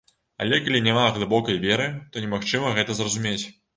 Але калі няма глыбокай веры, то немагчыма гэта зразумець.